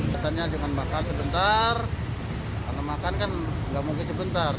katanya jangan makan sebentar karena makan kan gak mungkin sebentar